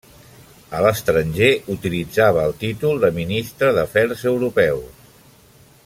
A l'estranger utilitzava el títol de Ministre d'Afers Europeus.